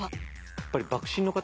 やっぱり幕臣の方